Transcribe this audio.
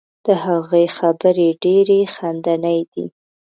د هغې خبرې ډیرې خندنۍ دي.